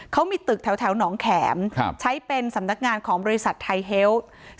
เขามีตึกแถวหนองแข็มใช้เป็นสำนักงานของบริษัทไทยเฮล์